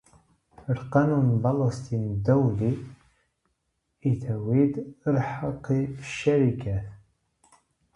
De binnenlandse belastingwetgeving biedt het bedrijfsleven zekerheid.